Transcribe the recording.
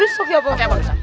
pak ustadz pakai mandi